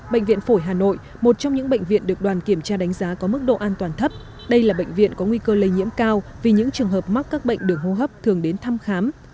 bệnh viện phổi hà nội một trong những bệnh viện được đoàn kiểm tra đánh giá có mức độ an toàn thấp đây là bệnh viện có nguy cơ lây nhiễm cao vì những trường hợp mắc các bệnh đường hô hấp thường đến thăm khám